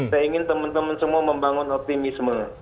saya ingin teman teman semua membangun optimisme